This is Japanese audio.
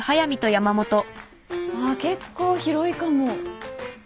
わっ結構広いかも。